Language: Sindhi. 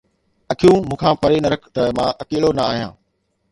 اکيون مون کان پري نه رک ته مان اڪيلو نه آهيان